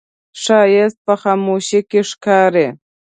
ښایست په خاموشۍ کې ښکاري